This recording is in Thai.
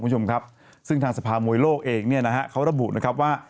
คุณผู้ชมครับซึ่งทางสภามวยโลกเองเนี่ยนะฮะเขาระบุนะครับว่า